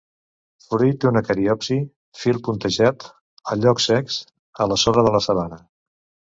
Fruit una cariopsi; fil puntejat. A llocs secs, a la sorra de la sabana.